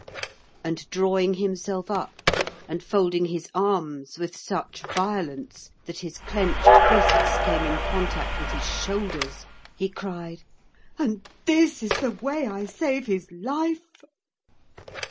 And, drawing himself up, and folding his arms with such violence that his clenched fists came in contact with his shoulders, he cried:— "And this is the way I save his life!"